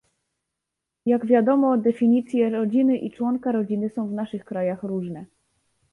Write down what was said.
Jak wiadomo definicje "rodziny" i "członka rodziny" są w naszych krajach różne